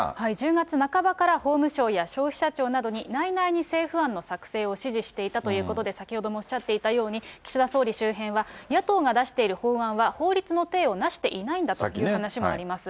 １０月半ばから法務省や消費者庁などに内々に政府案の作成を指示していたということで、先ほどもおっしゃっていたように、岸田総理周辺は、野党が出している法案は法律の体をなしていないんだという話もあります。